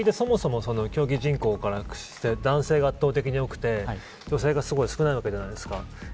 将棋ってそもそも競技人口からして男性が圧倒的に多くて女性が少ないわけじゃないですか。